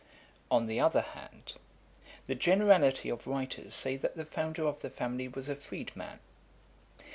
On the other hand, the generality of writers say that the founder of the family was a freedman.